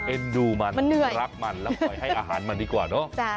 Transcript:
เอ็นดูมันรักมันแล้วคอยให้อาหารมันดีกว่าเนอะ